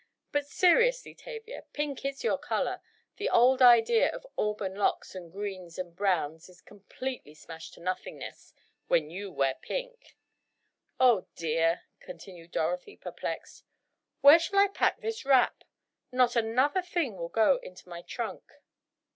But, seriously, Tavia, pink is your color, the old idea of auburn locks and greens and browns is completely smashed to nothingness, when you wear pink! Oh dear," continued Dorothy, perplexed, "where shall I pack this wrap? Not another thing will go into my trunk."